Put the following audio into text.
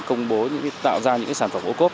công bố tạo ra những sản phẩm ocob